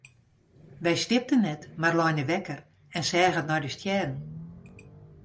Wy sliepten net mar leine wekker en seagen nei de stjerren.